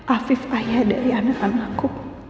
afif ayah dari anak anakku